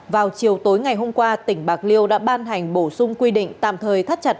vào chiều tối ngày hôm qua tỉnh bạc liêu đã ban hành bổ sung quy định tạm thời thắt chặt